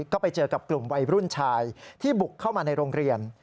ก็ไปเจอกับกลุ่มวัยรุ่นชายที่บุกเข้ามาในโรงเรียน